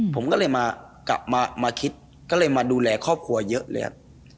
ผมก็เลยมากลับมาคิดก็เลยมาดูแลครอบครัวเยอะเลยครับ